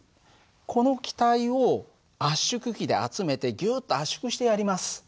この気体を圧縮機で集めてギュッと圧縮してやります。